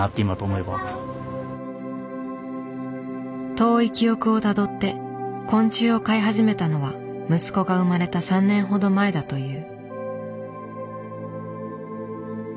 遠い記憶をたどって昆虫を飼い始めたのは息子が生まれた３年ほど前だという。